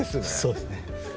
そうですね